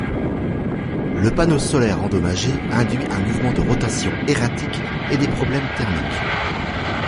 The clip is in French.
Le panneau solaire endommagé induit un mouvement de rotation erratique et des problèmes thermiques.